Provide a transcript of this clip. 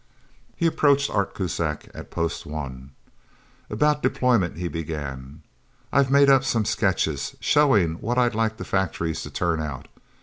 He approached Art Kuzak at Post One. "About deployment," he began. "I've made up some sketches, showing what I'd like the factories to turn out.